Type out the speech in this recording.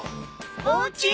おうち！？